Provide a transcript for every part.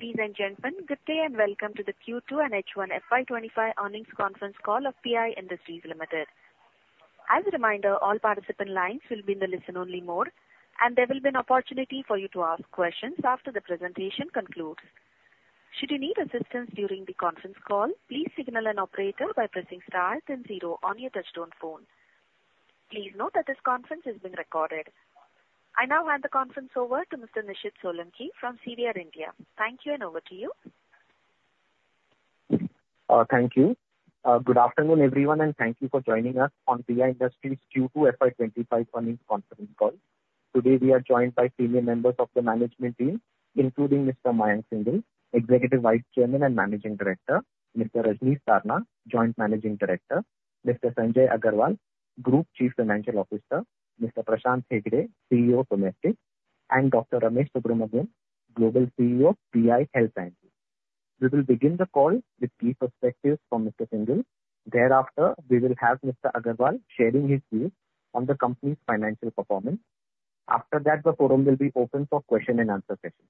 Ladies and gentlemen, good day and welcome to the Q2 and H1 FY 2025 earnings conference call of PI Industries Limited. As a reminder, all participant lines will be in the listen-only mode, and there will be an opportunity for you to ask questions after the presentation concludes. Should you need assistance during the conference call, please signal an operator by pressing star then zero on your touchtone phone. Please note that this conference is being recorded. I now hand the conference over to Mr. Nishid Solanki from CDR India. Thank you, and over to you. Thank you. Good afternoon, everyone, and thank you for joining us on PI Industries Q2 FY 2025 earnings conference call. Today, we are joined by senior members of the management team, including Mr. Mayank Singhal, Executive Vice Chairman and Managing Director, Mr. Rajnish Sarna, Joint Managing Director, Mr. Sanjay Agarwal, Group Chief Financial Officer, Mr. Prashant Hegde, CEO, Domestic, and Dr. Ramesh Subramanian, Global CEO, PI Health Sciences. We will begin the call with key perspectives from Mr. Singhal. Thereafter, we will have Mr. Agarwal sharing his views on the company's financial performance. After that, the forum will be open for question-and-answer sessions.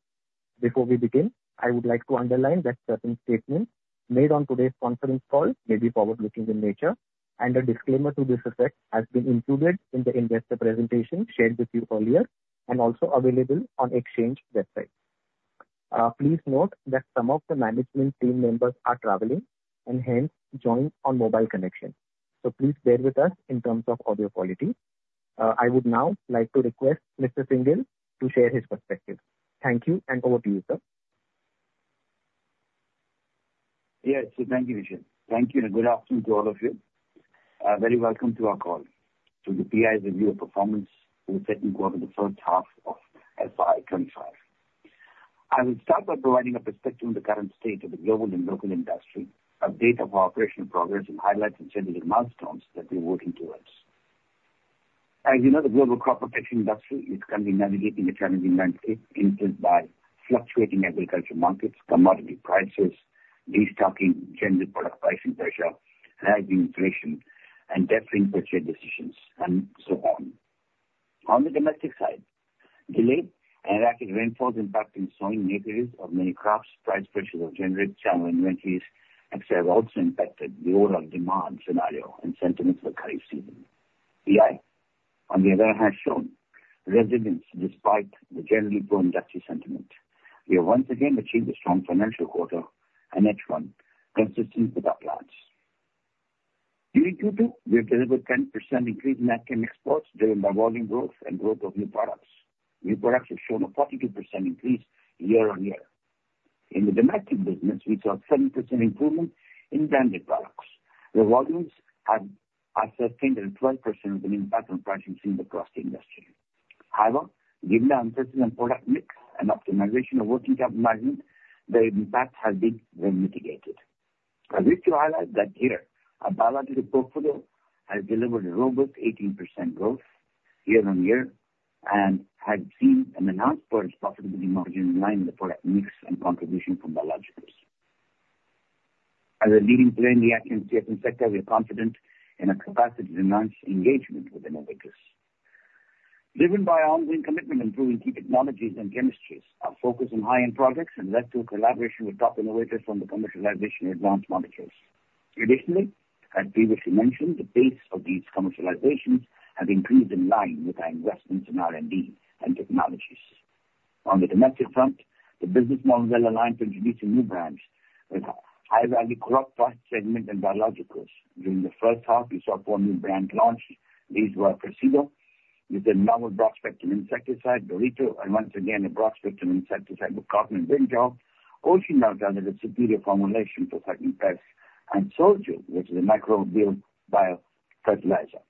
Before we begin, I would like to underline that certain statements made on today's conference call may be forward-looking in nature, and a disclaimer to this effect has been included in the investor presentation shared with you earlier and also available on the exchange website. Please note that some of the management team members are traveling and hence join on mobile connection, so please bear with us in terms of audio quality. I would now like to request Mr. Singhal to share his perspective. Thank you, and over to you, sir. Yes, so thank you, Nishid. Thank you, and good afternoon to all of you. Very welcome to our call. To the PI's review of performance for the second quarter of the first half of FY 2025. I will start by providing a perspective on the current state of the global and local industry, update of our operational progress, and highlight the strategic milestones that we are working towards. As you know, the global crop protection industry is currently navigating a challenging landscape influenced by fluctuating agricultural markets, commodity prices, restocking, general product pricing pressure, rising inflation, and deferring purchase decisions, and so on. On the domestic side, delayed and rapid rainfalls impacting sowing materials of many crops, price pressures of generic channel inventories, etc., have also impacted the overall demand scenario and sentiment for the current season. PI, on the other hand, has shown resilience despite the generally poor industry sentiment. We have once again achieved a strong financial quarter and H1 consistent with our plans. During Q2, we have delivered a 10% increase in active exports driven by volume growth and growth of new products. New products have shown a 42% increase year-on-year. In the domestic business, we saw a 7% improvement in branded products. The volumes have sustained a 12% impact on pricing across the industry. However, given the uncertainty in product mix and optimization of working capital management, the impact has been well mitigated. I wish to highlight that here, our biological portfolio has delivered a robust 18% growth year-on-year and has seen an enhanced profitability margin in line with the product mix and contribution from biologicals. As a leading player in the active ingredients sector, we are confident in our capacity to enhance engagement with innovators. Driven by our ongoing commitment to improving key technologies and chemistries, our focus on high-end products has led to a collaboration with top innovators from the commercialization and advanced manufacturers. Additionally, as previously mentioned, the pace of these commercialization has increased in line with our investments in R&D and technologies. On the domestic front, the business model is well aligned to introduce new brands with high-value crop product segments and biologicals. During the first half, we saw four new brands launched. These were PRESSEDO, which is a novel broad-spectrum insecticide, DORITO, and once again, a broad-spectrum insecticide with cotton and brinjal, OSHEEN, as a superior formulation for certain pests, and SOLJU, which is a microbial biofertilizer.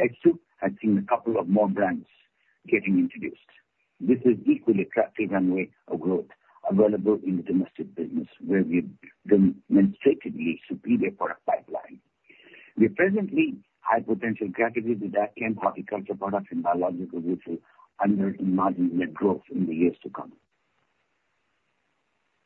H2 has seen a couple of more brands getting introduced. This is an equally attractive runway of growth available in the domestic business, where we have demonstrated a superior product pipeline. We presently have potential categories with active horticulture products and biologicals which will underpin margin net growth in the years to come.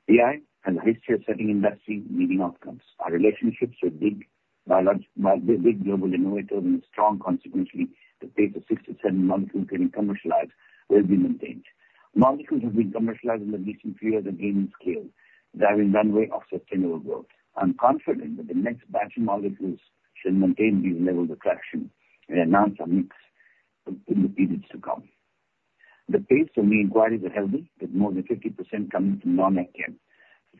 PI has a history of setting industry-leading outcomes. Our relationships with big global innovators and strong capabilities to phase 67 molecules getting commercialized will be maintained. Molecules have been commercialized in the recent few years and gaining scale, driving the runway of sustainable growth. I'm confident that the next batch of molecules should maintain these levels of traction and enhance our mix in the periods to come. The pace of new inquiries is healthy, with more than 50% coming from non-agro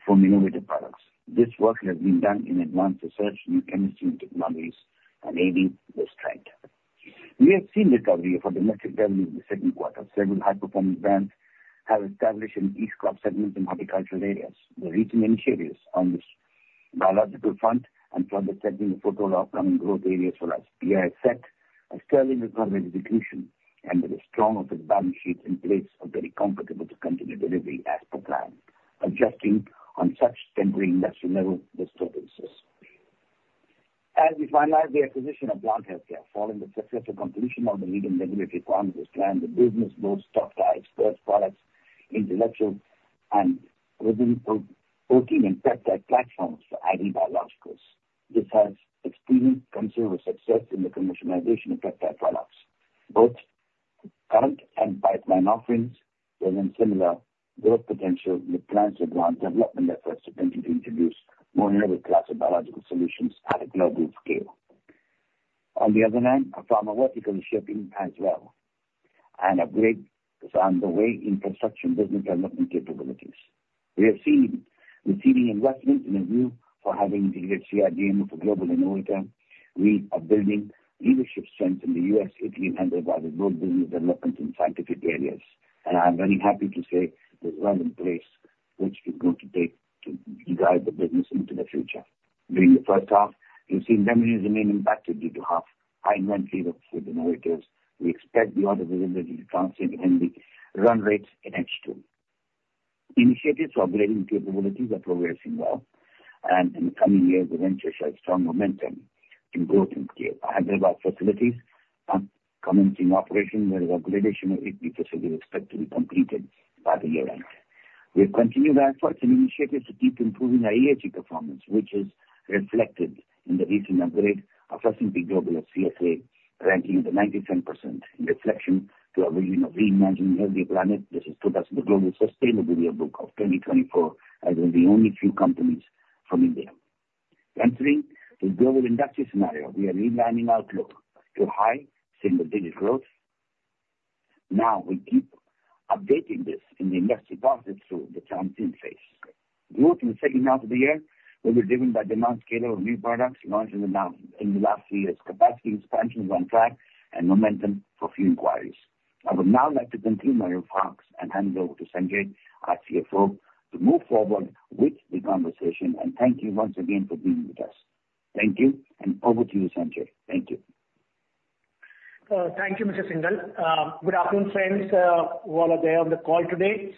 from innovative products. This work has been done in advanced research, new chemistry, and technologies, enabling this trend. We have seen recovery of our domestic revenue in the second quarter. Several high-performing brands have established in these crop segments and horticultural areas. The recent initiatives on this biological front and further setting the focal upcoming growth areas for us. PI has set a stellar recovery execution and with a strong cash balance sheet in place we are comfortable to continue delivery as per plan, adjusting on such temporary industrial level disturbances. As we finalize the acquisition of Plant Health Care, following the successful completion of the leading regulatory requirements as planned, the business bolsters our export products, IP, and protein and peptide platforms for ag biologicals. This has experienced considerable success in the commercialization of peptide products. Both current and pipeline offerings present similar growth potential with plans to advance development efforts to continue to introduce more innovative class of biological solutions at a global scale. On the other hand, our pharma vertical is shaping as well, and upgrades are on the way to infrastructure and business development capabilities. We have been receiving investment in view of having integrated CRDMO with a global innovator. We are building leadership strength in the U.S., Italy, and other abroad business developments in scientific areas, and I'm very happy to say there's well in place which is going to take to guide the business into the future. During the first half, we've seen revenues remain impacted due to high inventory with innovators. We expect the order of visibility to transcend any run rates in H2. Initiatives for upgrading capabilities are progressing well, and in the coming years, the venture shows strong momentum in growth and scale. Our Hyderabad facilities are coming into operation, whereas upgrade of HP facilities is expected to be completed by the year end. We have continued our efforts and initiatives to keep improving our ESG performance, which is reflected in the recent upgrade of S&P Global of CSA ranking at 97%, in reflection of our vision of reimagining a healthier planet. This has put us in the S&P Global Sustainability Yearbook 2024 as one of the only few companies from India. Entering the global industry scenario, we are realigning our outlook to high single-digit growth. Now, we keep updating this as the industry progresses through the transient phase. Growth in the second half of the year will be driven by demand, scale of new products launched in the last few years, capacity expansion and uptick, and momentum from a few inquiries. I would now like to conclude my remarks and hand over to Sanjay, our CFO, to move forward with the conversation, and thank you once again for being with us. Thank you, and over to you, Sanjay. Thank you. Thank you, Mr. Singhal. Good afternoon, friends. You all are there on the call today.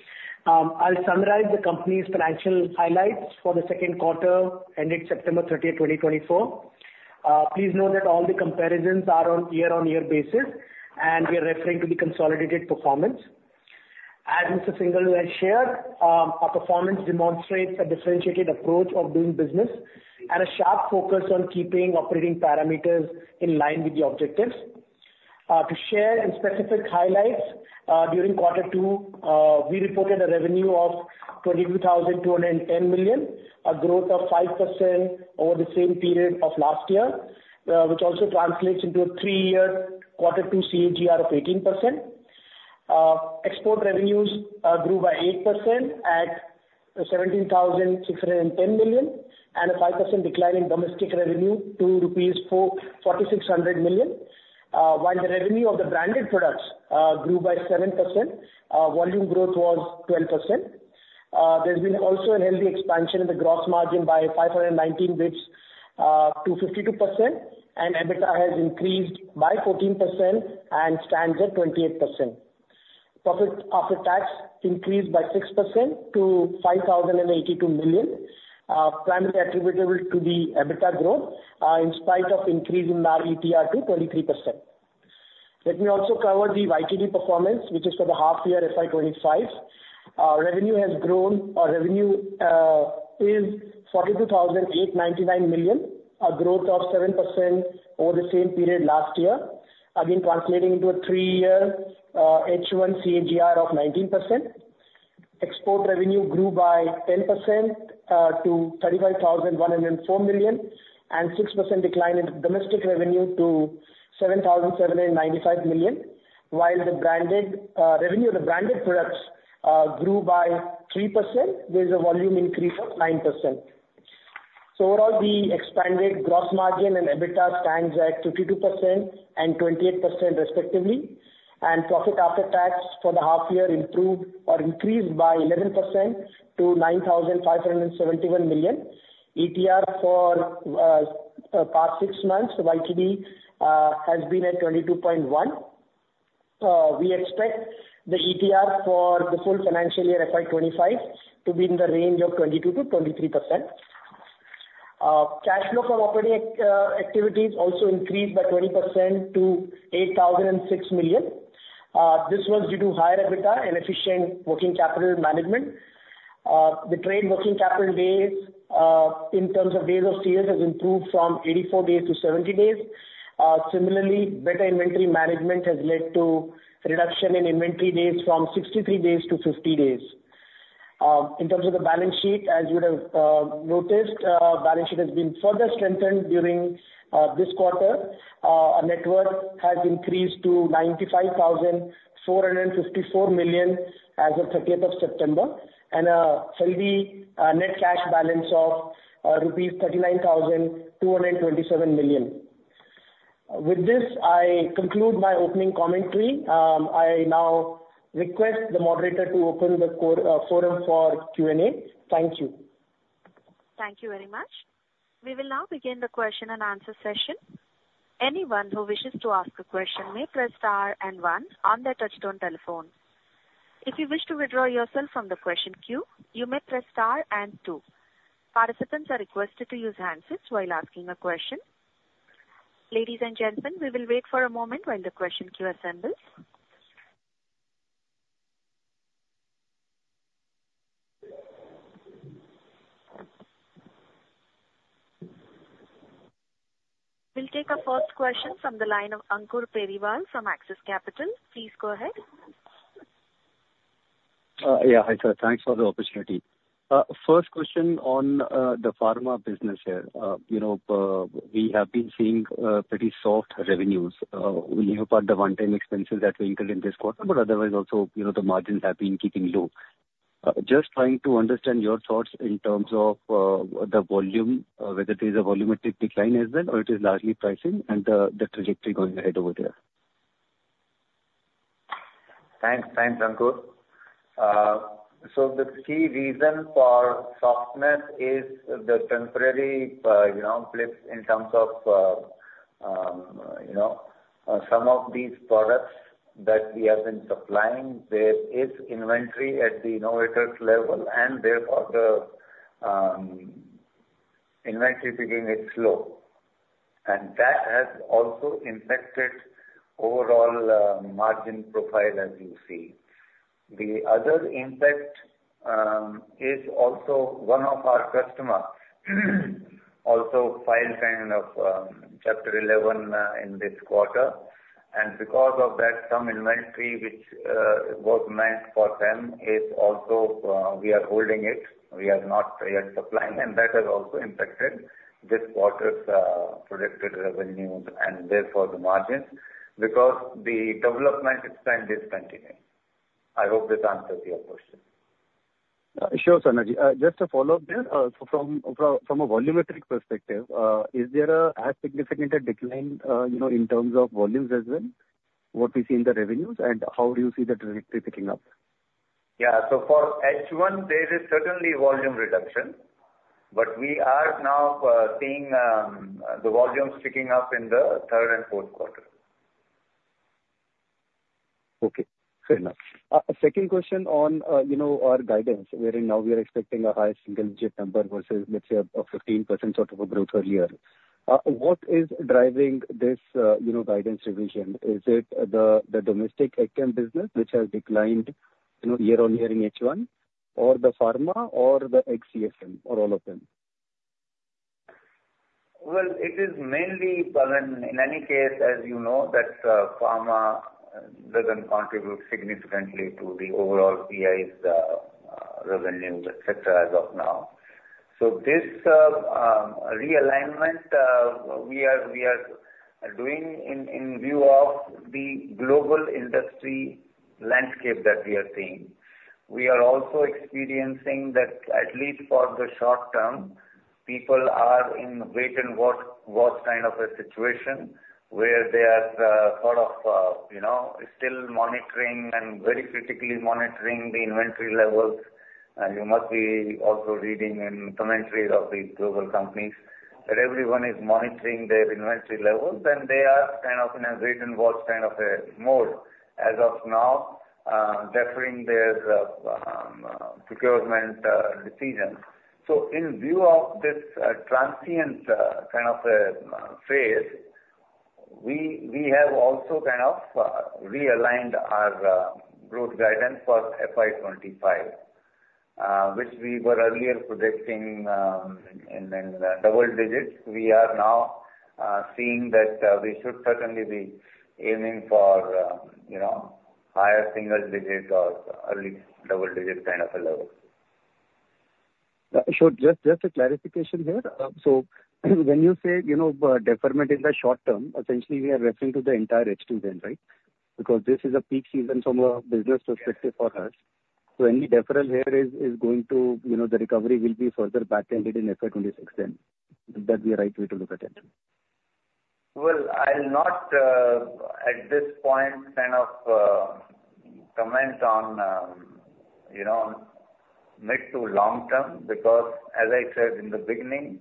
I'll summarize the company's financial highlights for the second quarter ended September 30, 2024. Please note that all the comparisons are on a year-on-year basis, and we are referring to the consolidated performance. As Mr. Singhal has shared, our performance demonstrates a differentiated approach of doing business and a sharp focus on keeping operating parameters in line with the objectives. To share in specific highlights, during quarter two, we reported a revenue of 22,210 million, a growth of 5% over the same period of last year, which also translates into a three-year quarter two CAGR of 18%. Export revenues grew by 8% at 17,610 million and a 5% decline in domestic revenue to rupees 4,600 million, while the revenue of the branded products grew by 7%. Volume growth was 12%. There's been also a healthy expansion in the gross margin by 519 basis points to 52%, and EBITDA has increased by 14% and stands at 28%. Profit after tax increased by 6% to 5,082 million, primarily attributable to the EBITDA growth in spite of increase in our ETR to 23%. Let me also cover the YTD performance, which is for the half-year FY 2025. Revenue has grown; our revenue is 42,899 million, a growth of 7% over the same period last year, again translating into a three-year H1 CAGR of 19%. Export revenue grew by 10% to 35,104 million, and a 6% decline in domestic revenue to 7,795 million, while the branded revenue of the branded products grew by 3%. There's a volume increase of 9%. Overall, the expanded gross margin and EBITDA stands at 52% and 28%, respectively, and profit after tax for the half-year improved or increased by 11% to 9,571 million. ETR for the past six months, YTD has been at 22.1%. We expect the ETR for the full financial year FY 2025 to be in the range of 22%-23%. Cash flow from operating activities also increased by 20% to 8,006 million. This was due to higher EBITDA and efficient working capital management. The trade working capital days in terms of days of sales has improved from 84 days to 70 days. Similarly, better inventory management has led to a reduction in inventory days from 63 days to 50 days. In terms of the balance sheet, as you would have noticed, the balance sheet has been further strengthened during this quarter. Our net worth has increased to 95,454 million as of the 30th of September and a healthy net cash balance of rupees 39,227 million. With this, I conclude my opening commentary. I now request the moderator to open the forum for Q&A. Thank you. Thank you very much. We will now begin the question and answer session. Anyone who wishes to ask a question may press star and one on their touch-tone telephone. If you wish to withdraw yourself from the question queue, you may press star and two. Participants are requested to use handsets while asking a question. Ladies and gentlemen, we will wait for a moment when the question queue assembles. We'll take a first question from the line of Ankur Periwal from Axis Capital. Please go ahead. Yeah, hi sir. Thanks for the opportunity. First question on the pharma business here. We have been seeing pretty soft revenues, leaping past the one-time expenses that we incurred in this quarter, but otherwise also the margins have been keeping low. Just trying to understand your thoughts in terms of the volume, whether there is a volumetric decline as well or it is largely pricing and the trajectory going ahead over there. Thanks, Ankur. So the key reason for softness is the temporary flip in terms of some of these products that we have been supplying. There is inventory at the innovators' level, and therefore the inventory picking is slow. And that has also impacted overall margin profile, as you see. The other impact is also one of our customers also filed kind of Chapter 11 in this quarter. And because of that, some inventory which was meant for them is also we are holding it. We are not yet supplying, and that has also impacted this quarter's projected revenues and therefore the margins because the development spend is continuing. I hope this answers your question. Sure, Rajnish. Just to follow up there, from a volumetric perspective, is there a significant decline in terms of volumes as well? What we see in the revenues, and how do you see the trajectory picking up? Yeah. So for H1, there is certainly volume reduction, but we are now seeing the volumes picking up in the third and fourth quarter. Okay. Fair enough. Second question on our guidance, wherein now we are expecting a high single-digit number versus, let's say, a 15% sort of a growth earlier. What is driving this guidance revision? Is it the domestic AgChem business, which has declined year-on-year in H1, or the pharma, or the CSM, or all of them? It is mainly in any case, as you know, that pharma doesn't contribute significantly to the overall PI's revenue, etc., as of now. This realignment we are doing in view of the global industry landscape that we are seeing. We are also experiencing that, at least for the short term, people are in wait-and-watch kind of a situation where they are sort of still monitoring and very critically monitoring the inventory levels. You must be also reading in commentary of these global companies that everyone is monitoring their inventory levels, and they are kind of in a wait-and-watch kind of a mode as of now, deferring their procurement decisions. In view of this transient kind of a phase, we have also kind of realigned our growth guidance for FY 2025, which we were earlier predicting in double digits. We are now seeing that we should certainly be aiming for higher single-digit or early double-digit kind of a level. Sure. Just a clarification here. So when you say deferment in the short term, essentially we are referring to the entire H2 then, right? Because this is a peak season from a business perspective for us. So any deferral here is going to the recovery will be further back-ended in FY 2026 then. Is that the right way to look at it? I'll not, at this point, kind of comment on mid to long term because, as I said in the beginning,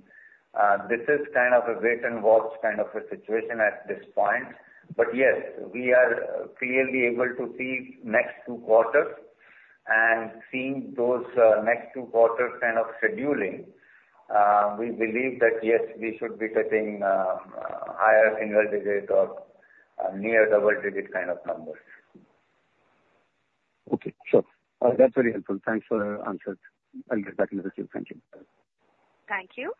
this is kind of a wait-and-watch kind of a situation at this point. But yes, we are clearly able to see next two quarters. And seeing those next two quarters kind of scheduling, we believe that, yes, we should be getting higher single-digit or near double-digit kind of numbers. Okay. Sure. That's very helpful. Thanks for the answers. I'll get back into the queue. Thank you. Thank you.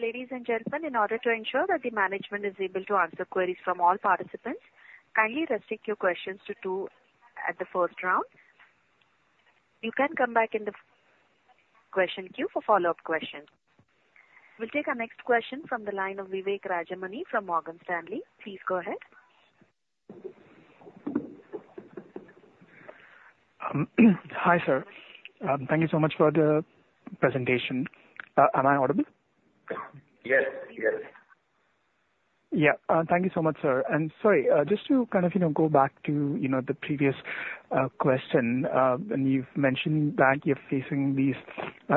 Ladies and gentlemen, in order to ensure that the management is able to answer queries from all participants, kindly restrict your questions to two at the first round. You can come back in the question queue for follow-up questions. We'll take our next question from the line of Vivek Rajamani from Morgan Stanley. Please go ahead. Hi sir. Thank you so much for the presentation. Am I audible? Yes. Yes. Yeah. Thank you so much, sir. And sorry, just to kind of go back to the previous question, and you've mentioned that you're facing these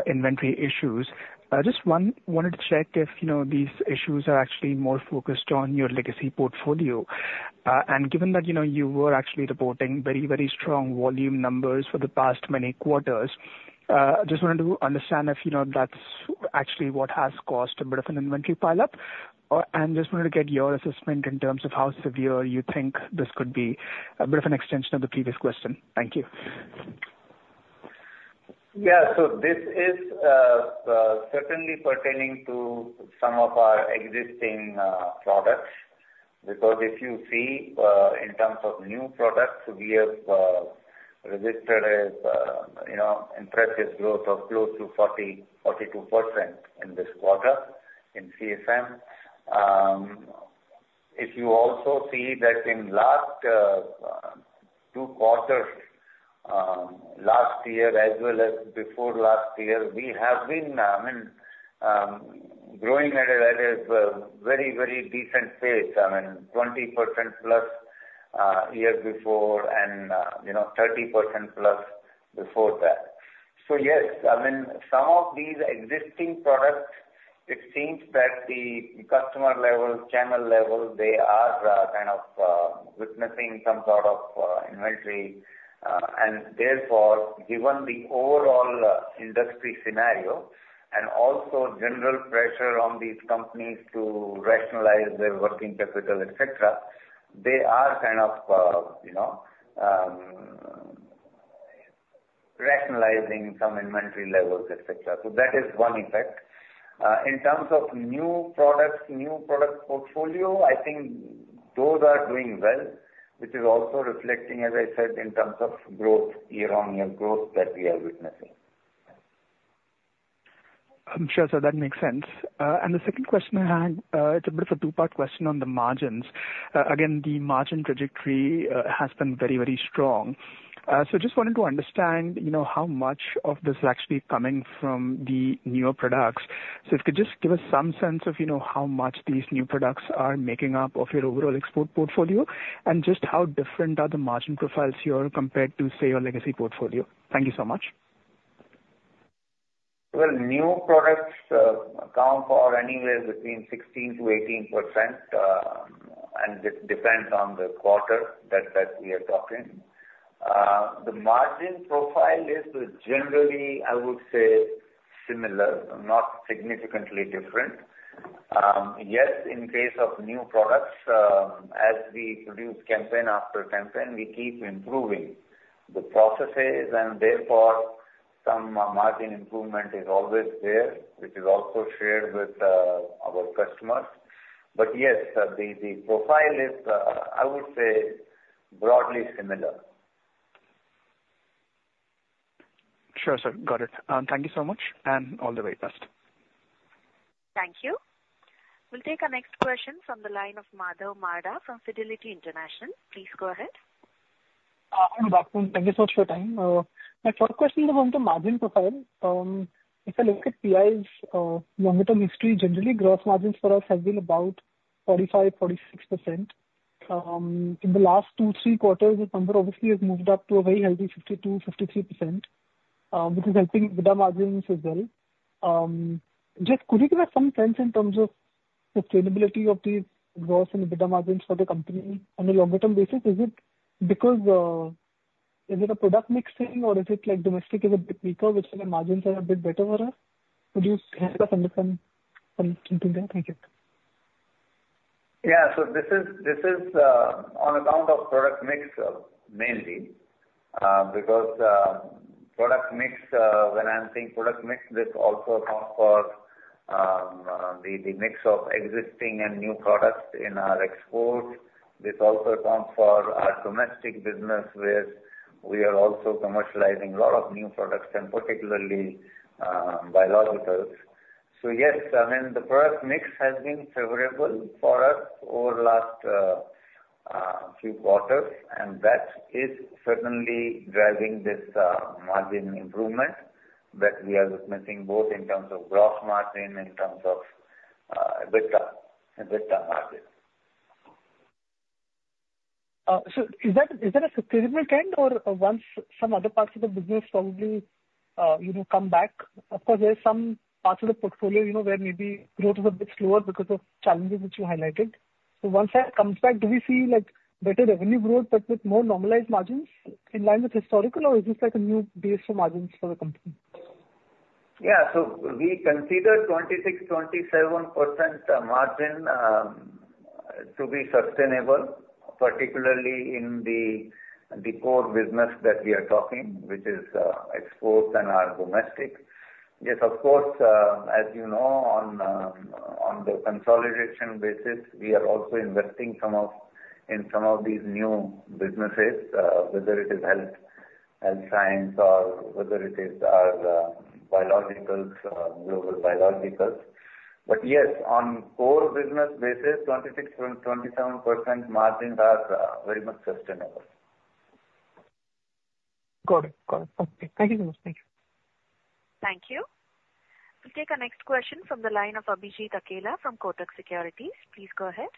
inventory issues. Just wanted to check if these issues are actually more focused on your legacy portfolio. And given that you were actually reporting very, very strong volume numbers for the past many quarters, I just wanted to understand if that's actually what has caused a bit of an inventory pile-up. And just wanted to get your assessment in terms of how severe you think this could be, a bit of an extension of the previous question. Thank you. Yeah. So this is certainly pertaining to some of our existing products because if you see in terms of new products, we have registered an impressive growth of close to 42% in this quarter in CSM. If you also see that in the last two quarters last year as well as before last year, we have been, I mean, growing at a very, very decent pace, I mean, 20% plus a year before and 30% plus before that. So yes, I mean, some of these existing products, it seems that the customer level, channel level, they are kind of witnessing some sort of inventory. And therefore, given the overall industry scenario and also general pressure on these companies to rationalize their working capital, etc., they are kind of rationalizing some inventory levels, etc. So that is one effect. In terms of new products, new product portfolio, I think those are doing well, which is also reflecting, as I said, in terms of growth, year-on-year growth that we are witnessing. Sure. So that makes sense. And the second question I had, it's a bit of a two-part question on the margins. Again, the margin trajectory has been very, very strong. So just wanted to understand how much of this is actually coming from the newer products. So if you could just give us some sense of how much these new products are making up of your overall export portfolio and just how different are the margin profiles here compared to, say, your legacy portfolio. Thank you so much. New products account for anywhere between 16% to 18%, and it depends on the quarter that we are talking. The margin profile is generally, I would say, similar, not significantly different. Yes, in case of new products, as we produce campaign after campaign, we keep improving the processes, and therefore some margin improvement is always there, which is also shared with our customers. But yes, the profile is, I would say, broadly similar. Sure, sir. Got it. Thank you so much and all the very best. Thank you. We'll take our next question from the line of Madhav Marda from Fidelity International. Please go ahead. Hi, Madhav. Thank you so much for your time. My first question is on the margin profile. If I look at PI's longer-term history, generally, gross margins for us have been about 45%, 46%. In the last two, three quarters, this number obviously has moved up to a very healthy 52%, 53%, which is helping EBITDA margins as well. Just could you give us some sense in terms of sustainability of these gross and EBITDA margins for the company on a longer-term basis? Is it because, is it a product mix thing, or is it like domestic is a bit weaker, which is why margins are a bit better for us? Could you help us understand something there? Thank you. Yeah. So this is on account of product mix mainly because product mix, when I'm saying product mix, this also accounts for the mix of existing and new products in our exports. This also accounts for our domestic business, where we are also commercializing a lot of new products, and particularly biologicals. So yes, I mean, the product mix has been favorable for us over the last few quarters, and that is certainly driving this margin improvement that we are witnessing both in terms of gross margin and in terms of EBITDA margin. So is that a sustainable trend, or once some other parts of the business probably come back? Of course, there are some parts of the portfolio where maybe growth is a bit slower because of challenges that you highlighted. So once that comes back, do we see better revenue growth, but with more normalized margins in line with historical, or is this a new base for margins for the company? Yeah. So we consider 26%-27% margin to be sustainable, particularly in the core business that we are talking, which is exports and our domestic. Yes, of course, as you know, on the consolidation basis, we are also investing in some of these new businesses, whether it is Health Sciences or whether it is our biologicals, global biologicals. But yes, on core business basis, 26%-27% margins are very much sustainable. Got it. Got it. Okay. Thank you so much. Thank you. Thank you. We'll take our next question from the line of Abhijit Akella from Kotak Securities. Please go ahead.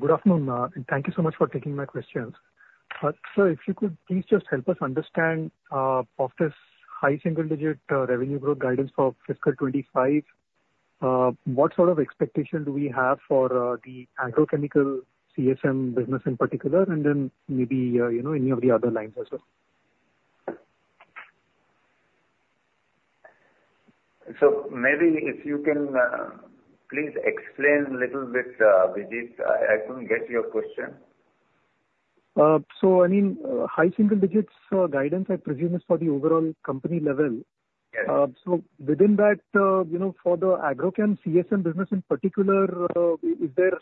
Good afternoon. Thank you so much for taking my questions. Sir, if you could please just help us understand of this high single-digit revenue growth guidance for fiscal 25, what sort of expectation do we have for the agrochemical CSM business in particular, and then maybe any of the other lines as well? So maybe if you can please explain a little bit, Abhijit. I couldn't get your question. I mean, high single-digit guidance, I presume, is for the overall company level. Yes. So within that, for the agrochem CSM business in particular, is there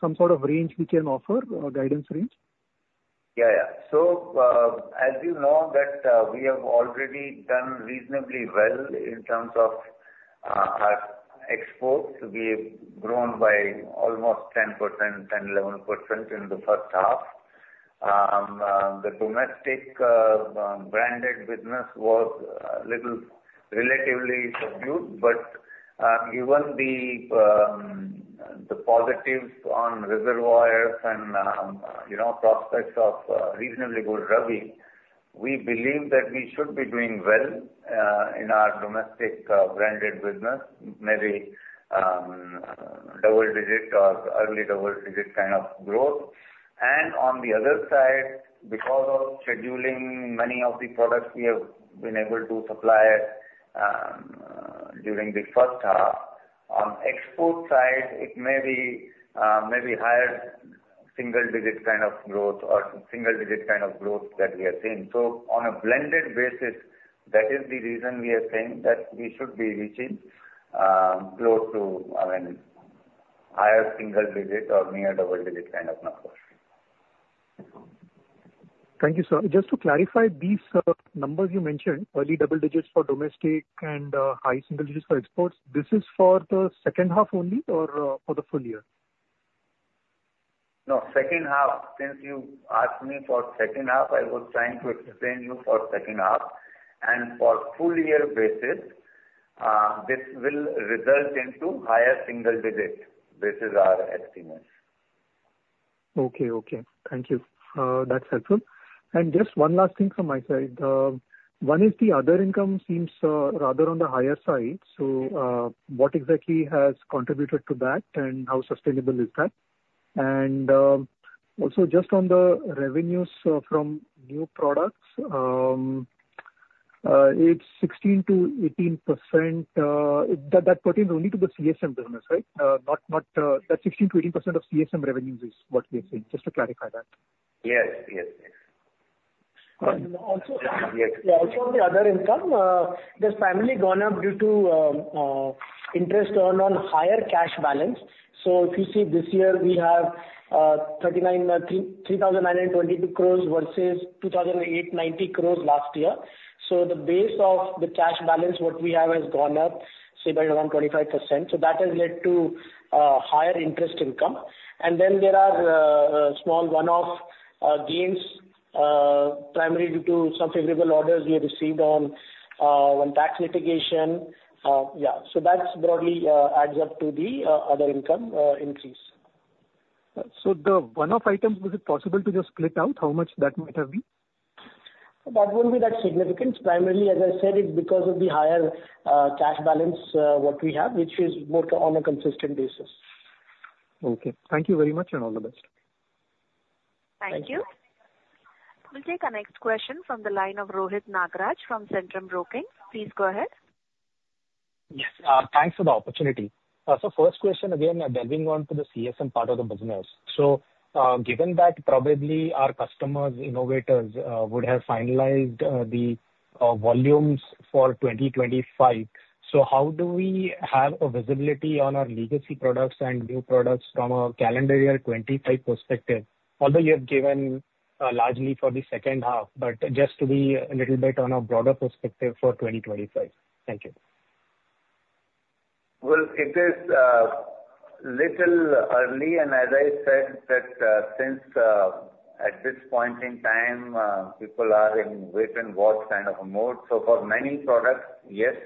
some sort of range we can offer, a guidance range? Yeah. Yeah. So, as you know, that we have already done reasonably well in terms of our exports. We have grown by almost 10%, 10%, 11% in the first half. The domestic branded business was a little relatively subdued, but given the positives on reservoirs and prospects of reasonably good Rabi, we believe that we should be doing well in our domestic branded business, maybe double-digit or early double-digit kind of growth. And on the other side, because of scheduling, many of the products we have been able to supply during the first half. On export side, it may be higher single-digit kind of growth or single-digit kind of growth that we are seeing. So on a blended basis, that is the reason we are saying that we should be reaching close to, I mean, higher single-digit or near double-digit kind of numbers. Thank you, sir. Just to clarify, these numbers you mentioned, early double digits for domestic and high single digits for exports, this is for the second half only or for the full year? No. Second half. Since you asked me for second half, I was trying to explain you for second half. And for full-year basis, this will result into higher single-digit basis our estimates. Okay. Okay. Thank you. That's helpful. And just one last thing from my side. One is the other income seems rather on the higher side. So what exactly has contributed to that, and how sustainable is that? And also, just on the revenues from new products, it's 16%-18%. That pertains only to the CSM business, right? That 16%-18% of CSM revenues is what we are seeing. Just to clarify that. Yes. Yes. Yes. Also. Yes. Yeah. Also, on the other income, the figure has gone up due to interest earned on higher cash balance. So if you see, this year, we have 3,922 crores versus 2,890 crores last year. So the base of the cash balance, what we have has gone up, say, by around 25%. So that has led to higher interest income. And then there are small one-off gains, primarily due to some favorable orders we received on tax litigation. Yeah. So that broadly adds up to the other income increase. So the one-off items, was it possible to just split out how much that might have been? That won't be that significant. Primarily, as I said, it's because of the higher cash balance what we have, which is more on a consistent basis. Okay. Thank you very much and all the best. Thank you. We'll take our next question from the line of Rohit Nagraj from Centrum Broking. Please go ahead. Yes. Thanks for the opportunity. So first question, again, delving onto the CSM part of the business. So given that probably our customers, innovators, would have finalized the volumes for 2025, so how do we have a visibility on our legacy products and new products from a calendar year 2025 perspective, although you have given largely for the second half, but just to be a little bit on a broader perspective for 2025? Thank you. It is a little early. As I said, that since at this point in time, people are in wait-and-watch kind of mode. For many products, yes,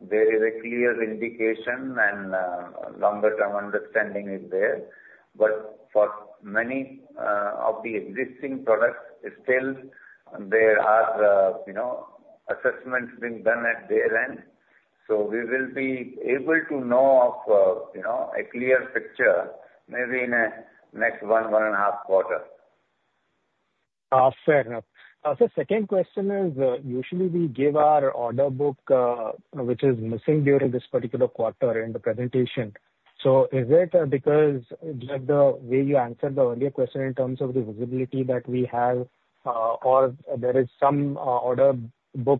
there is a clear indication and longer-term understanding is there. For many of the existing products, still, there are assessments being done at their end. We will be able to know of a clear picture maybe in the next one, one and a half quarter. Fair enough. So second question is, usually, we give our order book, which is missing during this particular quarter, in the presentation. So is it because the way you answered the earlier question in terms of the visibility that we have, or there is some order book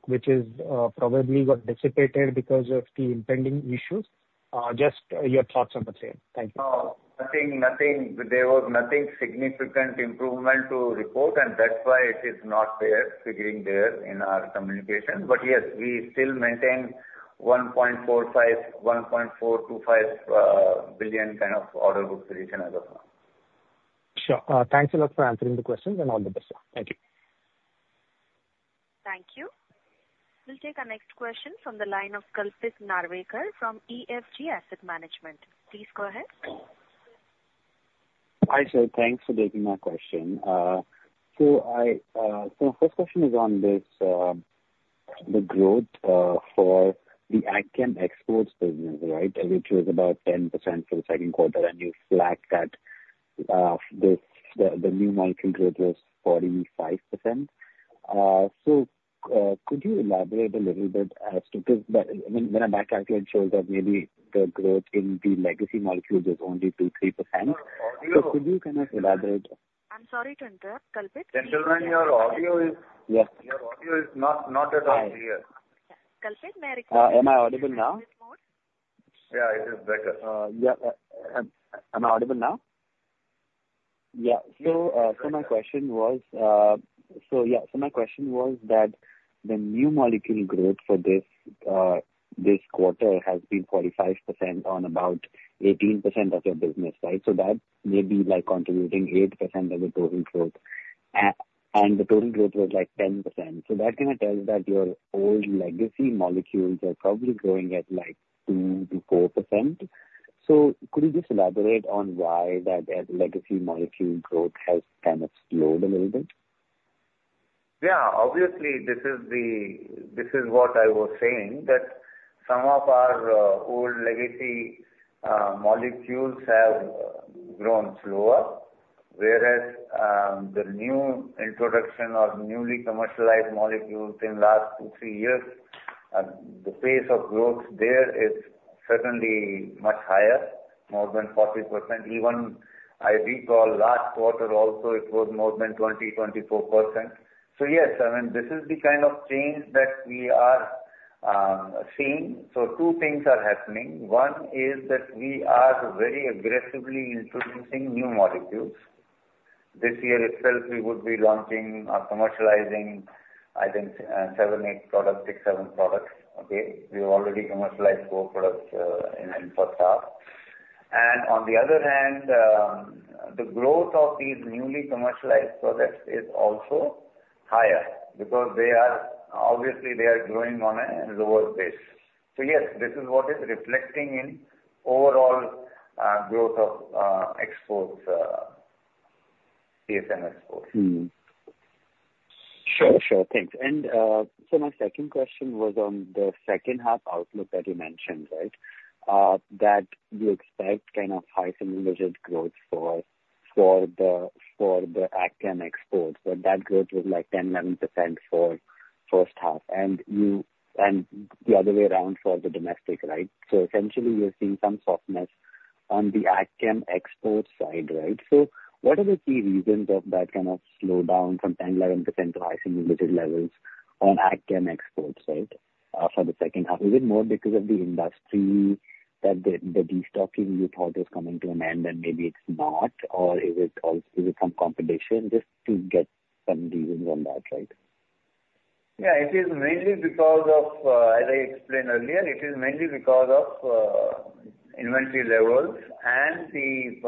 which has probably got dissipated because of the impending issues? Just your thoughts on the same. Thank you. Nothing. Nothing. There was no significant improvement to report, and that's why it is not featured there in our communication. But yes, we still maintain $1.45-$1.425 billion kind of order book position as of now. Sure. Thanks a lot for answering the questions and all the best. Thank you. Thank you. We'll take our next question from the line of Kalpit Narvekar from EFG Asset Management. Please go ahead. Hi, sir. Thanks for taking my question. So my first question is on the growth for the ag chem exports business, right, which was about 10% for the second quarter, and you flagged that the new molecule growth was 45%. So could you elaborate a little bit as to because when my background shows that maybe the growth in the legacy molecules is only 2%, 3%? So could you kind of elaborate? I'm sorry to interrupt. Kalpit? Gentlemen, your audio is not at all clear. Yeah. Kalpit, may I request? Am I audible now? Yeah. It is better. Yeah. Am I audible now? Yeah. So my question was that the new molecule growth for this quarter has been 45% on about 18% of your business, right? So that may be contributing 8% of the total growth, and the total growth was like 10%. So that kind of tells that your old legacy molecules are probably growing at like 2%-4%. So could you just elaborate on why that legacy molecule growth has kind of slowed a little bit? Yeah. Obviously, this is what I was saying, that some of our old legacy molecules have grown slower, whereas the new introduction of newly commercialized molecules in the last two, three years, the pace of growth there is certainly much higher, more than 40%. Even I recall last quarter also, it was more than 20%, 24%. So yes, I mean, this is the kind of change that we are seeing. Two things are happening. One is that we are very aggressively introducing new molecules. This year itself, we would be launching or commercializing seven, eight products, six, seven products. Okay? We already commercialized four products in the first half. And on the other hand, the growth of these newly commercialized products is also higher because obviously, they are growing on a lower base. Yes, this is what is reflecting in overall growth of exports, CSM exports. Sure. Sure. Thanks. And so my second question was on the second half outlook that you mentioned, right, that you expect kind of high single-digit growth for the ag chem exports, but that growth was like 10%, 11% for first half, and the other way around for the domestic, right? So essentially, you're seeing some softness on the ag chem export side, right? So what are the key reasons of that kind of slowdown from 10%, 11% to high single-digit levels on ag chem exports, right, for the second half? Is it more because of the industry that the destocking you thought was coming to an end, and maybe it's not, or is it some competition? Just to get some reasons on that, right? Yeah. It is mainly because of, as I explained earlier, it is mainly because of inventory levels and the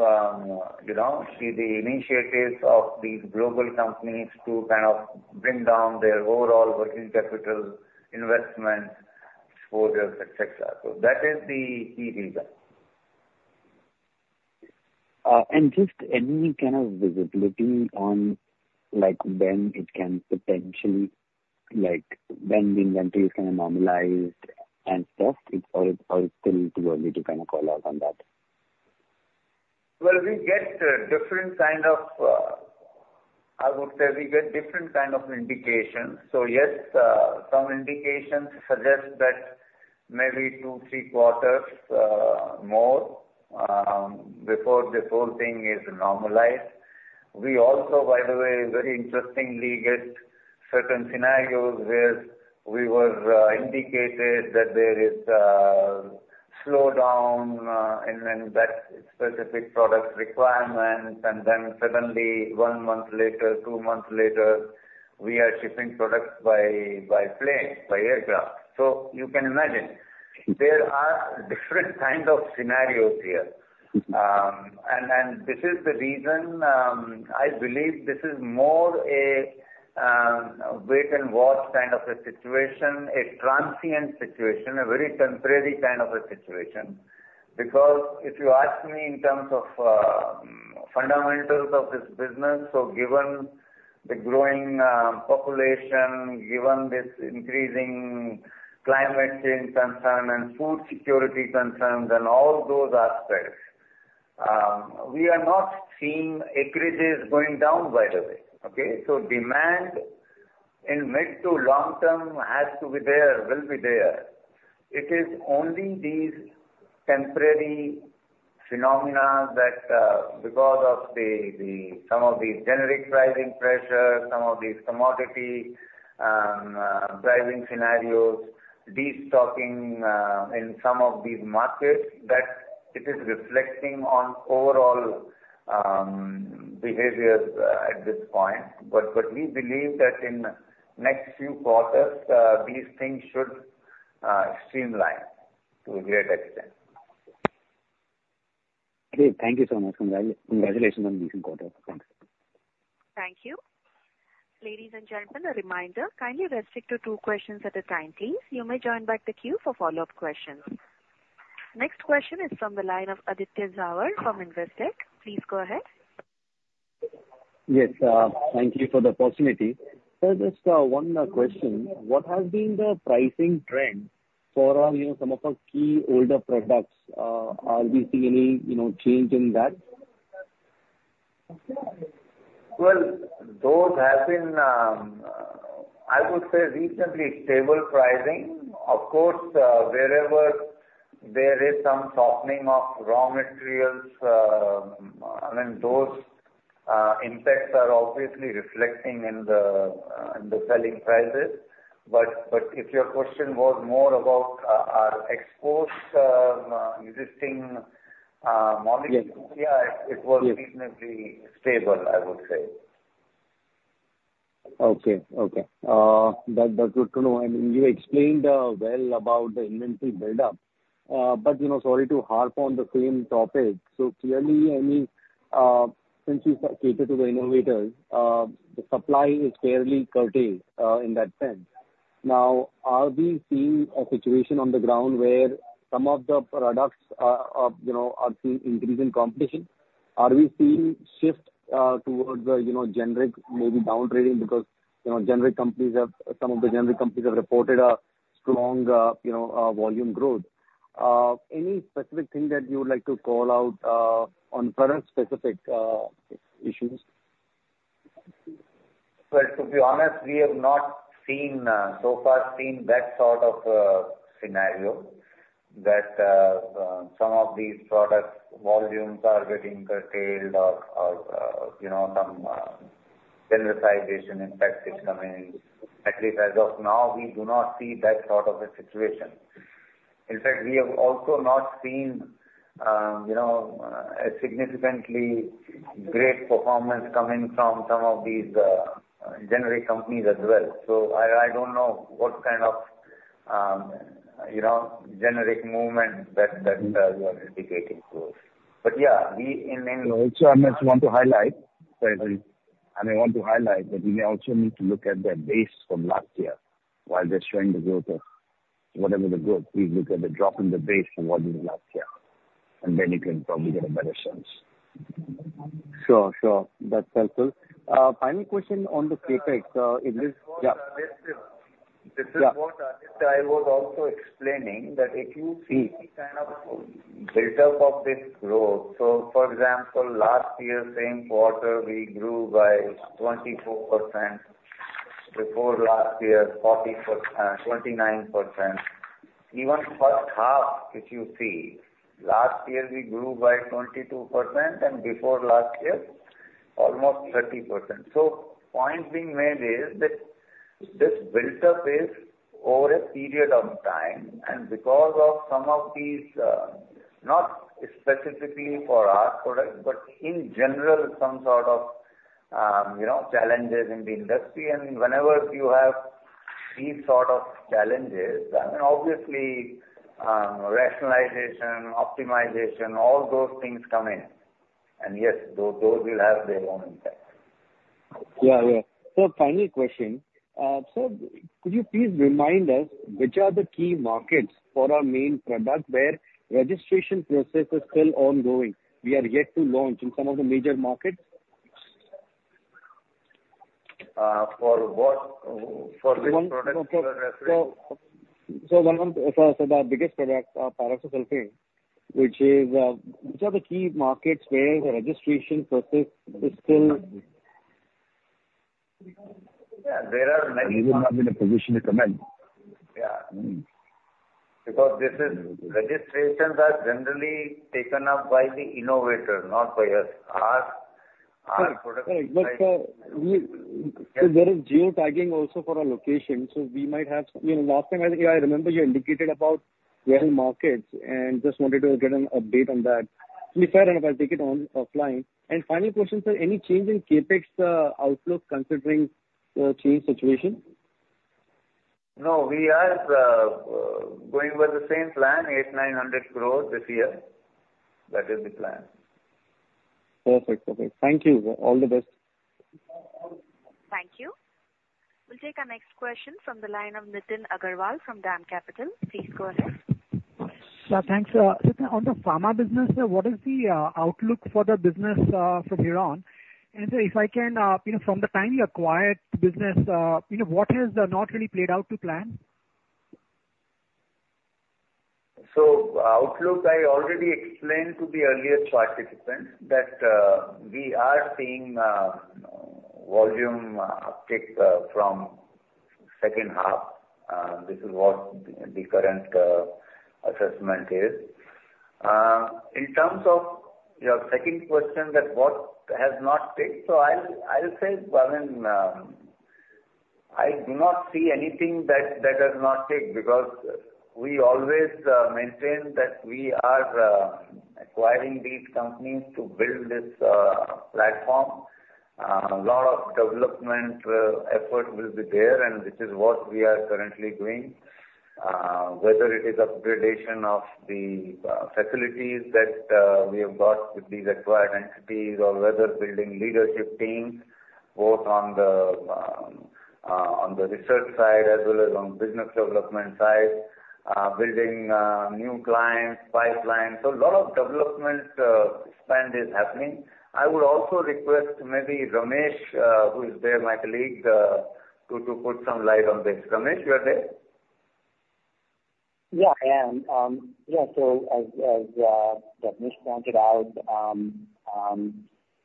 initiatives of these global companies to kind of bring down their overall working capital investments, exposures, etc. So that is the key reason. Just any kind of visibility on when it can potentially when the inventory is kind of normalized and stuff, or is it still too early to kind of call out on that? We get different kinds of indications, I would say. So yes, some indications suggest that maybe two, three quarters more before the whole thing is normalized. We also, by the way, very interestingly get certain scenarios where we were indicated that there is a slowdown in that specific product requirement, and then suddenly, one month later, two months later, we are shipping products by plane, by aircraft. So you can imagine there are different kinds of scenarios here. And this is the reason I believe this is more a wait-and-watch kind of a situation, a transient situation, a very temporary kind of a situation. Because if you ask me in terms of fundamentals of this business, so given the growing population, given this increasing climate change concern and food security concerns and all those aspects, we are not seeing acreages going down, by the way. Okay? So demand in mid to long term has to be there, will be there. It is only these temporary phenomena that because of some of these generic pricing pressures, some of these commodity pricing scenarios, destocking in some of these markets, that it is reflecting on overall behaviors at this point. But we believe that in the next few quarters, these things should streamline to a great extent. Great. Thank you so much. Congratulations on the recent quarter. Thanks. Thank you. Ladies and gentlemen, a reminder, kindly restrict to two questions at a time, please. You may join back the queue for follow-up questions. Next question is from the line of Aditya Jhawar from Investec. Please go ahead. Yes. Thank you for the opportunity. Sir, just one question. What has been the pricing trend for some of our key older products? Are we seeing any change in that? Those have been, I would say, recently stable pricing. Of course, wherever there is some softening of raw materials, I mean, those impacts are obviously reflecting in the selling prices. But if your question was more about our exports, existing molecules, yeah, it was reasonably stable, I would say. Okay. Okay. That's good to know. And you explained well about the inventory buildup. But sorry to harp on the same topic. So clearly, since you cater to the innovators, the supply is fairly curtailed in that sense. Now, are we seeing a situation on the ground where some of the products are seeing increasing competition? Are we seeing a shift towards the generic, maybe downgrading because some of the generic companies have reported a strong volume growth? Any specific thing that you would like to call out on product-specific issues? To be honest, we have not so far seen that sort of scenario that some of these products' volumes are getting curtailed or some genericization impact is coming. At least as of now, we do not see that sort of a situation. In fact, we have also not seen a significantly great performance coming from some of these generic companies as well. I don't know what kind of generic movement that you are indicating to us. Yeah, we. I just want to highlight, and I want to highlight that we may also need to look at their base from last year while they're showing the growth of whatever the growth. Please look at the drop in the base from what it was last year, and then you can probably get a better sense. Sure. Sure. That's helpful. Final question on the CapEx. Yeah. This is what Aditya was also explaining, that if you see any kind of buildup of this growth, so for example, last year, same quarter, we grew by 24%. Before last year, 29%. Even first half, if you see, last year, we grew by 22%, and before last year, almost 30%. So point being made is that this buildup is over a period of time, and because of some of these, not specifically for our product, but in general, some sort of challenges in the industry. And whenever you have these sort of challenges, I mean, obviously, rationalization, optimization, all those things come in. And yes, those will have their own impact. So, final question. Sir, could you please remind us which are the key markets for our main product where registration process is still ongoing? We are yet to launch in some of the major markets. For what? For this product? One of our biggest products, pyroxasulfone, which are the key markets where the registration process is still? Yeah. There are many. You would not be in a position to comment. Yeah. I mean, because registrations are generally taken up by the innovator, not by us. Our product is. Sure. Sure. So there is geotagging also for our location. So we might have last time, I remember you indicated about 12 markets, and just wanted to get an update on that. So we'll take it offline. And final question, sir, any change in CapEx outlook considering the change situation? No. We are going with the same plan, 800-900 growth this year. That is the plan. Perfect. Perfect. Thank you. All the best. Thank you. We'll take our next question from the line of Nitin Agarwal from DAM Capital. Please go ahead. Yeah. Thanks. On the pharma business, what is the outlook for the business from here on, and if I can, from the time you acquired the business, what has not really played out to plan? So outlook, I already explained to the earlier participants that we are seeing volume uptake from second half. This is what the current assessment is. In terms of your second question, that what has not stayed? So I'll say, I mean, I do not see anything that has not stayed because we always maintain that we are acquiring these companies to build this platform. A lot of development effort will be there, and this is what we are currently doing, whether it is upgradation of the facilities that we have got with these acquired entities or whether building leadership teams both on the research side as well as on the business development side, building new clients, pipelines. So a lot of development spend is happening. I would also request maybe Ramesh, who is there, my colleague, to put some light on this. Ramesh, you are there? Yeah. I am. Yeah. So as Rajnish pointed out,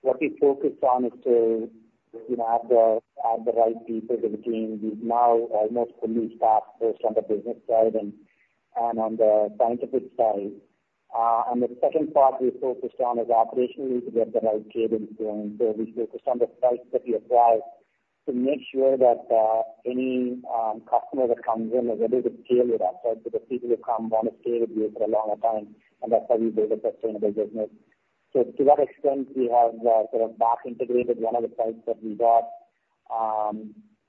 what we focus on is to add the right people to the team. We've now almost fully staffed both on the business side and on the scientific side. And the second part we focused on is operationally to get the right cadence going. So we focused on the sites that we acquired to make sure that any customer that comes in is able to scale with us. So the people who come want to stay with you for a longer time, and that's how we build a sustainable business. So to that extent, we have sort of back-integrated one of the sites that we got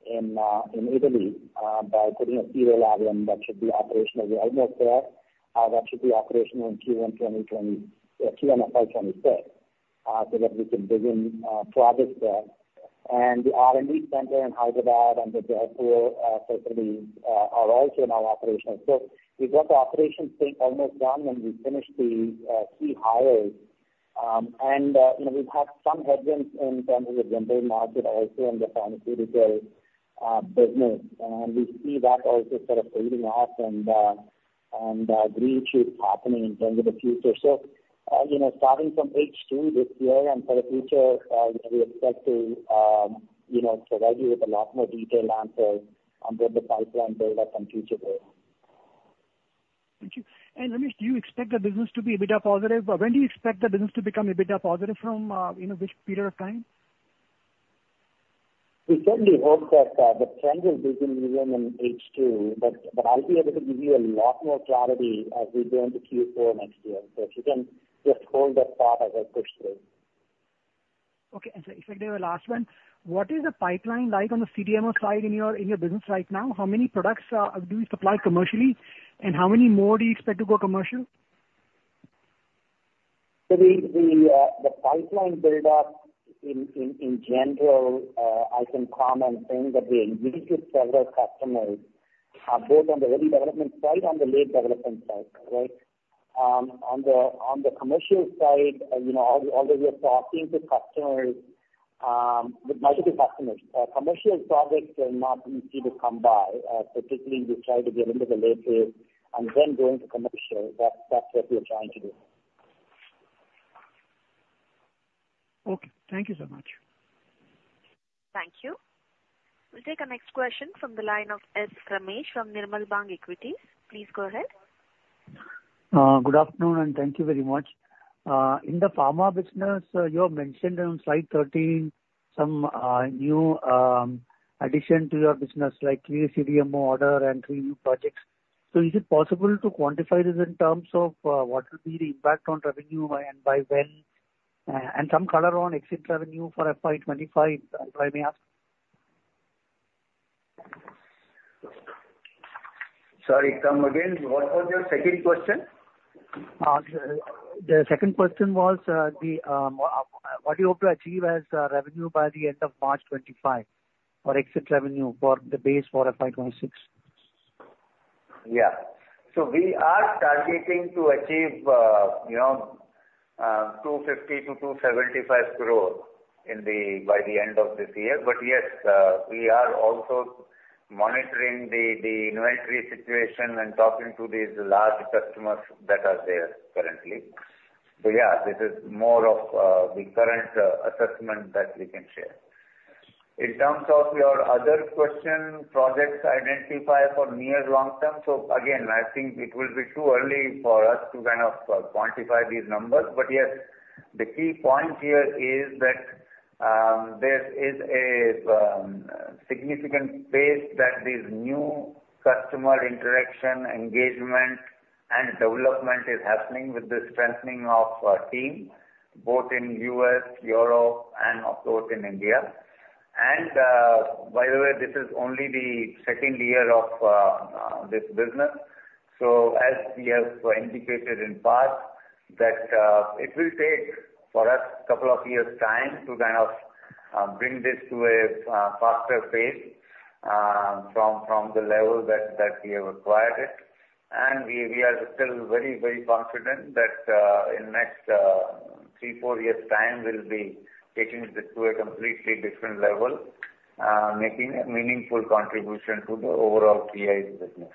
in Italy by putting a serial lab in, that should be operational. We're almost there. That should be operational in Q1 FY 2026 so that we can begin projects there. And the R&D center in Hyderabad and the Jaipur facilities are also now operational. So we got the operations thing almost done when we finished the key hires. And we've had some headwinds in terms of the general market also in the pharmaceutical business. And we see that also sort of fading off and green shoots happening in terms of the future. So starting from H2 this year and for the future, we expect to provide you with a lot more detailed answers on both the pipeline buildup and future growth. Thank you. And Ramesh, do you expect the business to be a bit positive? When do you expect the business to become a bit positive from which period of time? We certainly hope that the trend will begin even in H2, but I'll be able to give you a lot more clarity as we go into Q4 next year. So if you can just hold us back as I push through. Okay, and so if I can have a last one. What is the pipeline like on the CDMO side in your business right now? How many products do you supply commercially, and how many more do you expect to go commercial? So the pipeline buildup in general, I can comment saying that we engage with several customers both on the early development side and the late development side. Right? On the commercial side, although we are talking to customers with multiple customers, commercial projects are not easy to come by. So typically, we try to get into the late phase and then go into commercial. That's what we're trying to do. Okay. Thank you so much. Thank you. We'll take our next question from the line of S. Ramesh from Nirmal Bang Equities. Please go ahead. Good afternoon, and thank you very much. In the pharma business, you have mentioned on slide 13 some new addition to your business like three CDMO orders and three new projects. So is it possible to quantify this in terms of what will be the impact on revenue and by when? And some color on exit revenue for FY 2025, if I may ask? Sorry. Come again. What was your second question? The second question was what do you hope to achieve as revenue by the end of March 2025 or exit revenue for the base for FY 2026? Yeah. So we are targeting to achieve 250-275 crore by the end of this year. But yes, we are also monitoring the inventory situation and talking to these large customers that are there currently. But yeah, this is more of the current assessment that we can share. In terms of your other question, projects identified for near long term. So again, I think it will be too early for us to kind of quantify these numbers. But yes, the key point here is that there is a significant base that these new customer interaction, engagement, and development is happening with the strengthening of our team both in the U.S., Europe, and also in India, and by the way, this is only the second year of this business. So as we have indicated in part, that it will take for us a couple of years' time to kind of bring this to a faster pace from the level that we have acquired it. And we are still very, very confident that in the next three, four years' time, we'll be taking this to a completely different level, making a meaningful contribution to the overall PI's business.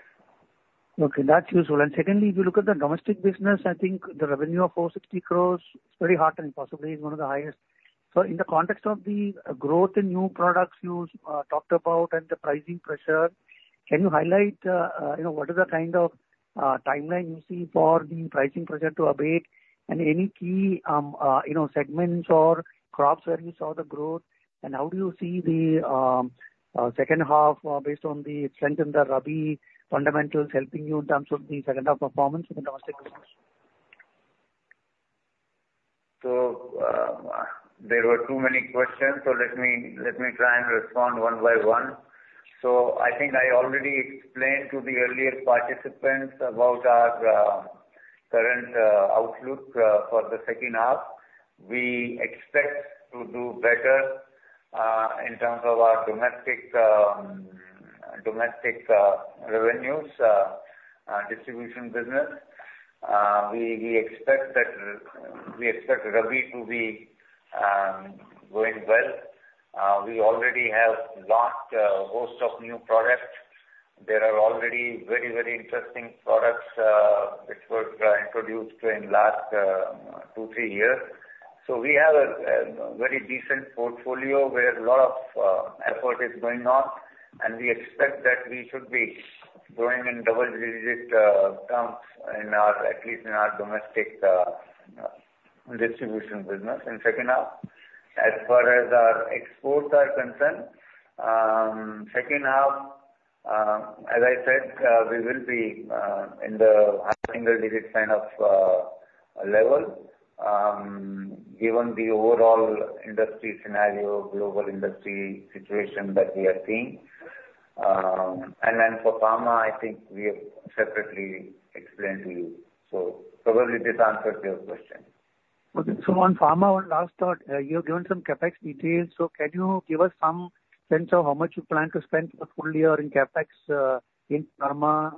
Okay. That's useful. And secondly, if you look at the domestic business, I think the revenue of 460 crores is very hot and possibly is one of the highest. So in the context of the growth in new products you talked about and the pricing pressure, can you highlight what is the kind of timeline you see for the pricing pressure to abate? And any key segments or crops where you saw the growth? And how do you see the second half based on the strength in the Rabi fundamentals helping you in terms of the second half performance of the domestic business? So there were too many questions, so let me try and respond one by one. So I think I already explained to the earlier participants about our current outlook for the second half. We expect to do better in terms of our domestic revenues distribution business. We expect Rabi to be going well. We already have launched a host of new products. There are already very, very interesting products that were introduced in the last two, three years. So we have a very decent portfolio where a lot of effort is going on, and we expect that we should be growing in double-digit terms at least in our domestic distribution business in the second half. As far as our exports are concerned, second half, as I said, we will be in the high single-digit kind of level given the overall industry scenario, global industry situation that we are seeing. And then for pharma, I think we have separately explained to you. So probably this answers your question. Okay. So on pharma, one last thought. You have given some CapEx details. So can you give us some sense of how much you plan to spend for the full year in CapEx in pharma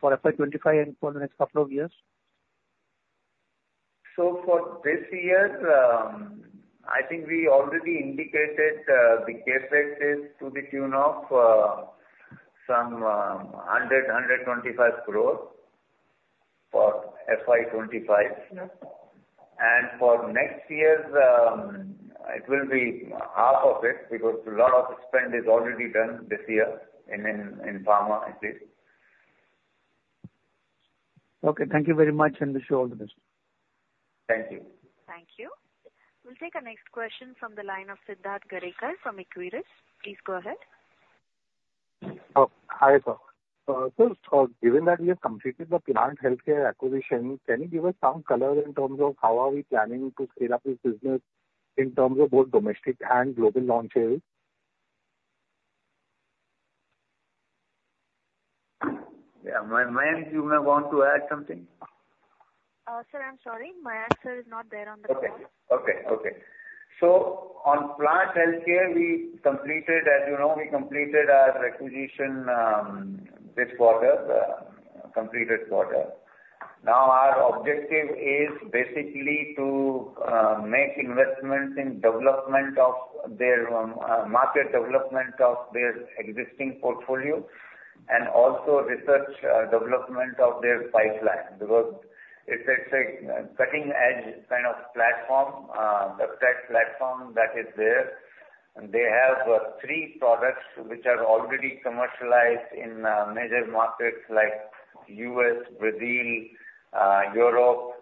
for FY 2025 and for the next couple of years? For this year, I think we already indicated the CapEx is to the tune of some INR 100-125 crores for FY 2025. And for next year, it will be half of it because a lot of spend is already done this year in pharma at least. Okay. Thank you very much, and wish you all the best. Thank you. Thank you. We'll take our next question from the line of Siddharth Gadekar from Equirus Securities. Please go ahead. Oh, hi there, sir. So given that we have completed the Plant Health Care acquisition, can you give us some color in terms of how are we planning to scale up this business in terms of both domestic and global launches? Yeah. May I intervene? You may want to add something. Sir, I'm sorry. My answer is not there on the call. Okay. So on Plant Health Care, as you know, we completed our acquisition this quarter. Now, our objective is basically to make investments in development of their market, development of their existing portfolio, and also research development of their pipeline because it's a cutting-edge kind of platform, a peptide platform that is there. They have three products which are already commercialized in major markets like the U.S., Brazil, and Europe.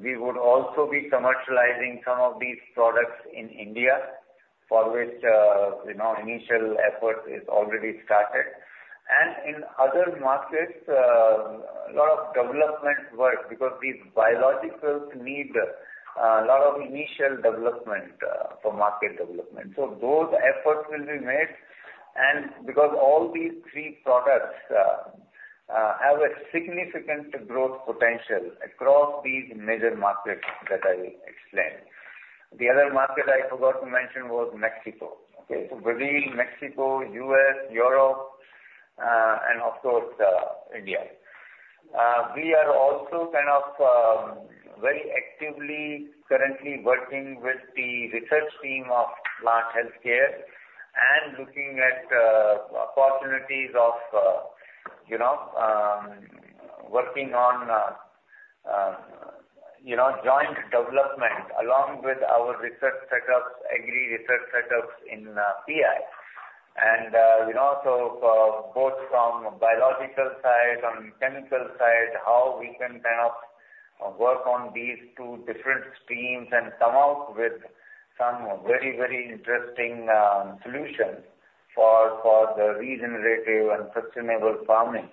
We would also be commercializing some of these products in India for which initial effort is already started. And in other markets, a lot of development work because these biologicals need a lot of initial development for market development. So those efforts will be made. And because all these three products have a significant growth potential across these major markets that I explained. The other market I forgot to mention was Mexico. Okay? Brazil, Mexico, US, Europe, and of course, India. We are also kind of very actively currently working with the research team of Plant Health Care and looking at opportunities of working on joint development along with our research setups, agri research setups in PI. And so both from biological side and chemical side, how we can kind of work on these two different streams and come up with some very, very interesting solutions for the regenerative and sustainable farming.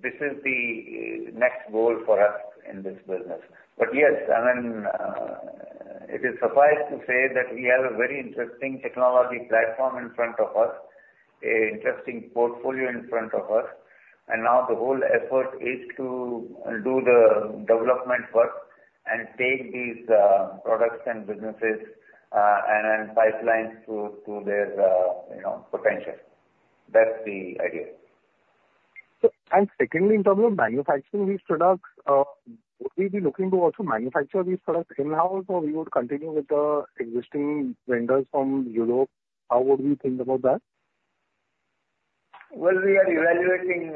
This is the next goal for us in this business. But yes, I mean, it suffices to say that we have a very interesting technology platform in front of us, an interesting portfolio in front of us. And now the whole effort is to do the development work and take these products and businesses and pipelines to their potential. That's the idea. Secondly, in terms of manufacturing these products, would we be looking to also manufacture these products in-house, or we would continue with the existing vendors from Europe? How would we think about that? We are evaluating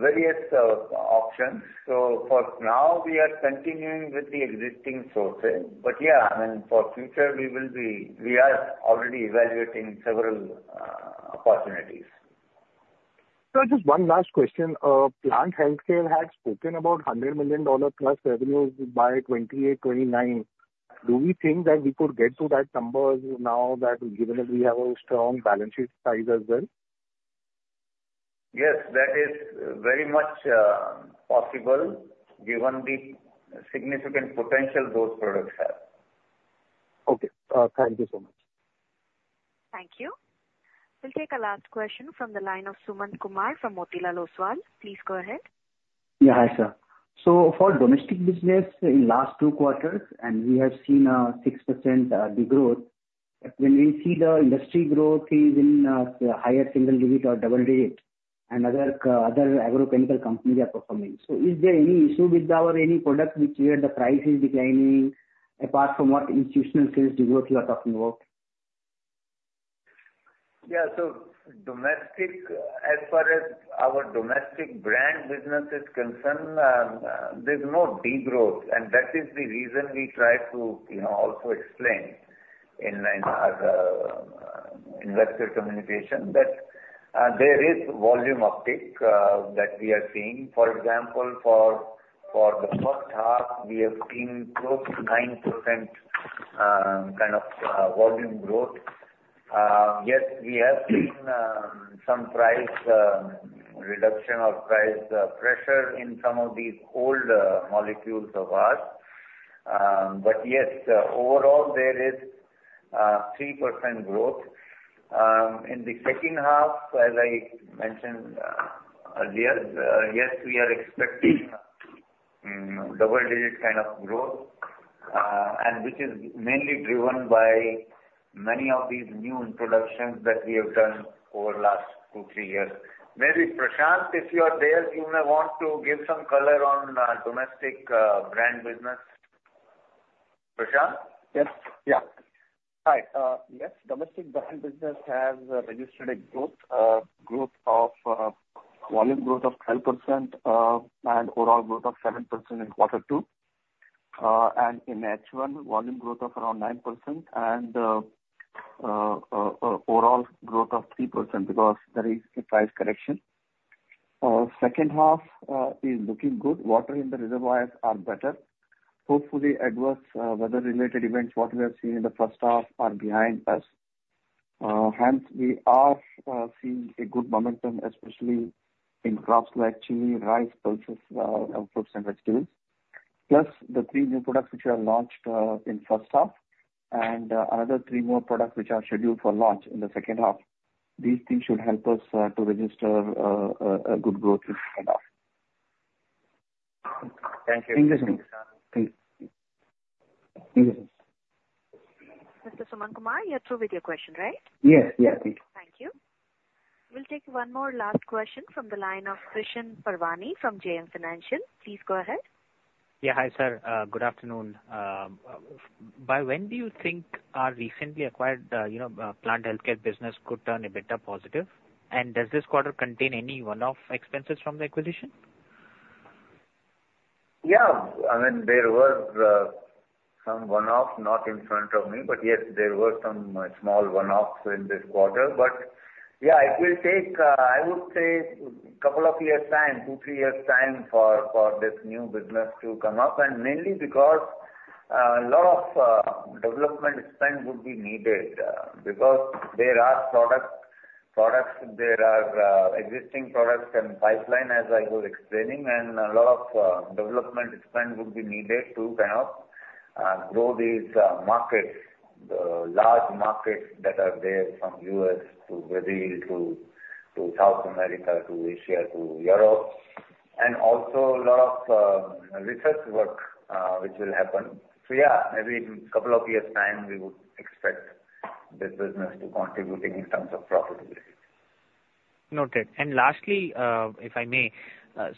various options. So for now, we are continuing with the existing sources. But yeah, I mean, for future, we are already evaluating several opportunities. So just one last question. Plant Health Care had spoken about $100 million plus revenues by 2028, 2029. Do we think that we could get to that number now that given that we have a strong balance sheet size as well? Yes, that is very much possible given the significant potential those products have. Okay. Thank you so much. Thank you. We'll take a last question from the line of Sumant Kumar from Motilal Oswal. Please go ahead. Yeah. Hi, sir. So for domestic business in the last two quarters, and we have seen a 6% growth. When we see the industry growth is in higher single-digit or double-digit, and other agrochemical companies are performing. So is there any issue with our any product which we had the price is declining apart from what institutional sales growth you are talking about? Yeah, so as far as our domestic brand business is concerned, there's no degrowth, and that is the reason we try to also explain in our investor communication that there is volume uptake that we are seeing. For example, for the first half, we have seen close to 9% kind of volume growth. Yes, we have seen some price reduction or price pressure in some of these old molecules of ours, but yes, overall, there is 3% growth. In the second half, as I mentioned earlier, yes, we are expecting double-digit kind of growth, and which is mainly driven by many of these new introductions that we have done over the last two, three years. Maybe Prashant, if you are there, you may want to give some color on domestic brand business. Prashant? Yes. Yeah. Hi. Yes, domestic brand business has registered a growth of volume growth of 12% and overall growth of 7% in quarter two. In H1, volume growth of around 9% and overall growth of 3% because there is a price correction. Second half is looking good. Water in the reservoirs are better. Hopefully, adverse weather-related events, what we have seen in the first half, are behind us. Hence, we are seeing a good momentum, especially in crops like chili, rice, pulses, and fruits and vegetables. Plus, the three new products which are launched in the first half and another three more products which are scheduled for launch in the second half. These things should help us to register a good growth in the second half. Thank you. Thank you. Thank you. Mr. Sumant Kumar, you are through with your question, right? Yes. Yeah. Thank you. Thank you. We'll take one more last question from the line of Krishan Parwani from JM Financial. Please go ahead. Yeah. Hi, sir. Good afternoon. By when do you think our recently acquired Plant Health Care business could turn a bit positive? And does this quarter contain any one-off expenses from the acquisition? Yeah. I mean, there were some one-offs, not in front of me, but yes, there were some small one-offs in this quarter. But yeah, it will take, I would say, a couple of years' time, two, three years' time for this new business to come up. And mainly because a lot of development spend would be needed because there are products, there are existing products and pipeline, as I was explaining, and a lot of development spend would be needed to kind of grow these markets, the large markets that are there from the US to Brazil to South America to Asia to Europe. And also a lot of research work which will happen. So yeah, maybe in a couple of years' time, we would expect this business to contribute in terms of profitability. Noted. And lastly, if I may,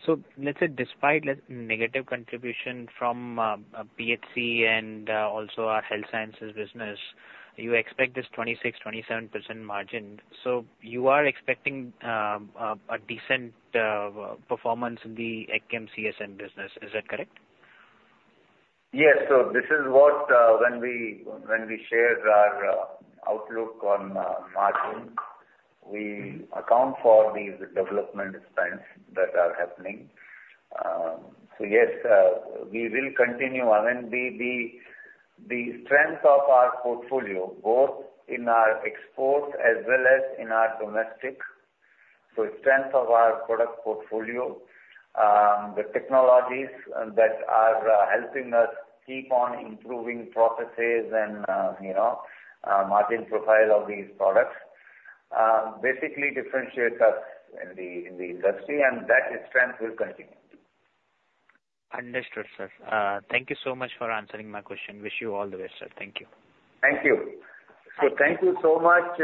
so let's say despite negative contribution from PHC and also our Health Sciences business, you expect this 26%-27% margin. So you are expecting a decent performance in the CSM business. Is that correct? Yes. So this is what, when we share our outlook on margin, we account for these development spends that are happening. So yes, we will continue. I mean, the strength of our portfolio, both in our export as well as in our domestic, so strength of our product portfolio, the technologies that are helping us keep on improving processes and margin profile of these products basically differentiate us in the industry, and that strength will continue. Understood, sir. Thank you so much for answering my question. Wish you all the best, sir. Thank you. Thank you. So thank you so much.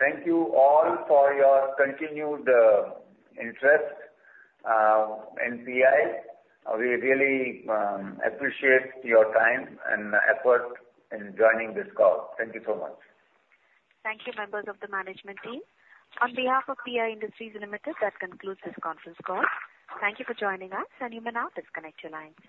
Thank you all for your continued interest in PI. We really appreciate your time and effort in joining this call. Thank you so much. Thank you, members of the management team. On behalf of PI Industries Limited, that concludes this conference call. Thank you for joining us, and you may now disconnect your lines.